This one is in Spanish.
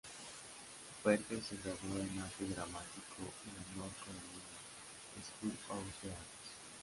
Parker se graduó en arte dramático en la North Carolina School of the Arts.